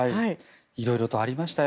いろいろとありました。